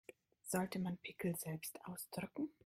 Sollte man Pickel selbst ausdrücken?